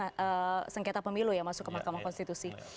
karena sengketa pemilu ya masuk ke mahkamah konstitusi